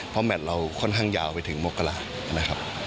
เพราะแมทเราค่อนข้างยาวไปถึงมกรานะครับ